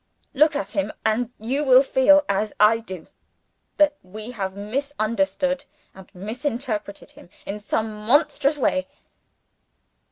Look at him and you will feel, as I do, that we have misunderstood and misinterpreted him, in some monstrous way."